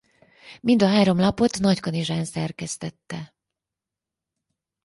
Mind a három lapot Nagykanizsán szerkesztette.